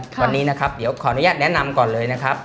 วันนี้นะครับเดี๋ยวขออนุญาตแนะนำก่อนเลยนะครับ